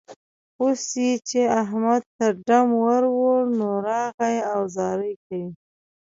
اوس چې يې احمد ته ډم ور وړ؛ نو، راغی او زارۍ کوي.